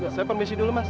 saya permisi dulu mas